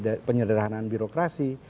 kita ingin melaksanakan penyerahanan birokrasi